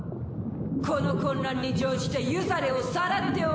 この混乱に乗じてユザレをさらっておいで。